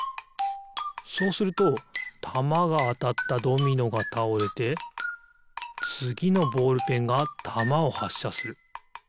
そうするとたまがあたったドミノがたおれてつぎのボールペンがたまをはっしゃする。